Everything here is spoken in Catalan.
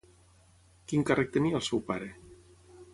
Quin càrrec tenia el seu pare?